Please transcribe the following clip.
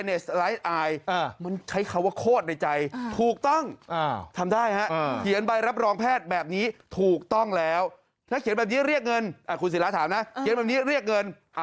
เอ้าคุณเสียระถามนะเกิดเรื่องอื่นเรียกเงิน